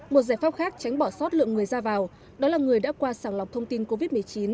một giải pháp khác tránh bỏ sót lượng người ra vào đó là người đã qua sàng lọc thông tin covid một mươi chín